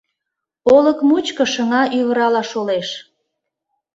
Олык мучко шыҥа-ӱвырала шолеш...